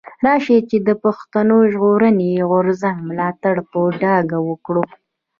راشئ چي د پښتون ژغورني غورځنګ ملاتړ په ډاګه وکړو.